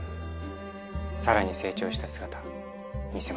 さらに成長した姿見せましょう。